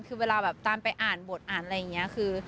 คือเวลาแบบตามไปอ่านบทอ่านอะไรอย่างนี้คือ